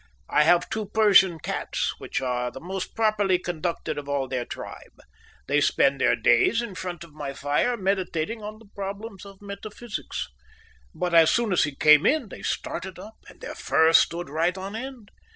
I have two Persian cats, which are the most properly conducted of all their tribe. They spend their days in front of my fire, meditating on the problems of metaphysics. But as soon as he came in they started up, and their fur stood right on end.